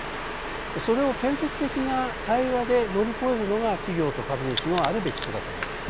それを建設的な対話で乗り越えるのが企業と株主のあるべき姿です。